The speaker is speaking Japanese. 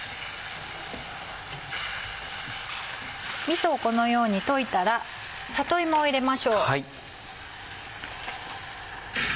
みそをこのように溶いたら里芋を入れましょう。